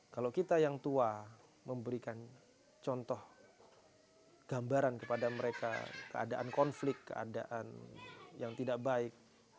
kalau kita yang tua memberikan contoh gambaran kepada mereka keadaan konflik keadaan yang tidak baik